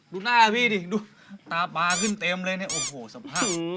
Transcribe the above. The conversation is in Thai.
ดูหน้าพี่ดิดูตาปลาขึ้นเต็มเลยเนี่ยโอ้โหสภาพ